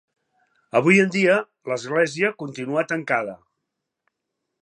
Avui en dia, l'església continua tancada.